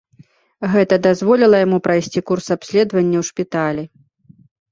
Гэта дазволіла яму прайсці курс абследавання ў шпіталі.